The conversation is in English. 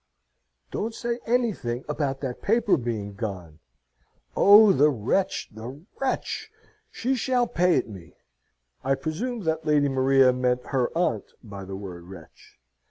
"Don't say anything about that paper being gone! Oh, the wretch, the wretch! She shall pay it me!" I presume that Lady Maria meant her aunt by the word "wretch."